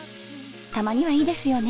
たまにはいいですよね